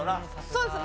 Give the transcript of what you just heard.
そうですね。